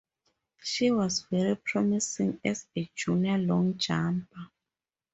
She was very promising as a junior long jumper.